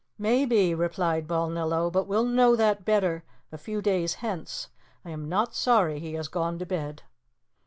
"Maybe," replied Balnillo; "but we'll know that better a few days hence. I am not sorry he has gone to bed."